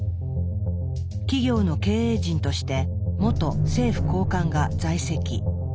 企業の経営陣として元政府高官が在籍。